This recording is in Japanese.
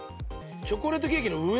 チョコレートケーキの上？